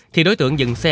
thì đối tượng dừng xe